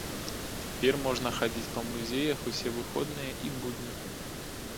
Цяпер можна хадзіць па музеях усе выходныя і будні.